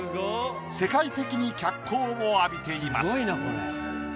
世界的に脚光を浴びています。